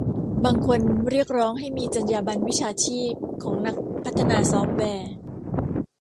บางคนเรียกร้องให้มีจรรยาบรรณวิชาชีพของนักพัฒนาซอฟต์แวร์